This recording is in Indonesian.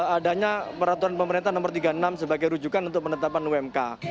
adanya peraturan pemerintah nomor tiga puluh enam sebagai rujukan untuk penetapan umk